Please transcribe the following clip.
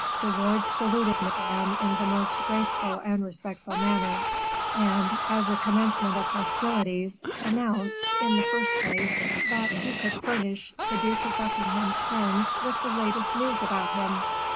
De Wardes saluted Madame in the most graceful and respectful manner, and, as a commencement of hostilities, announced, in the first place, that he could furnish the Duke of Buckingham's friends with the latest news about him.